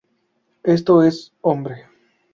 Esto es, hombre.